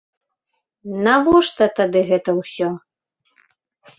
Навошта тады гэта ўсё?